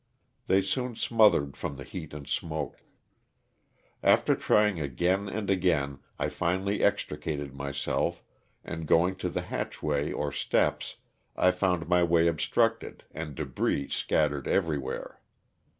They soon smothered from the heat and smoke. After trying again and again I finally extricated myself and, going to the hatchway or steps, I found my way obstructed and debris scattered every where.